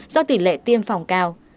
do tỷ lệ tiêm phòng cao